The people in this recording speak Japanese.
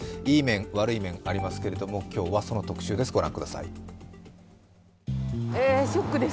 いい面、悪い面ありますけれども今日はその特集です。